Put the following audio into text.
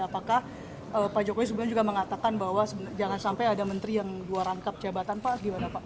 apakah pak jokowi sebenarnya juga mengatakan bahwa jangan sampai ada menteri yang luar angkap jabatan pak